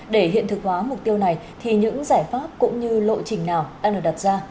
để hiện thực hóa mục tiêu này thì những giải pháp cũng như lộ trình nào đang được đặt ra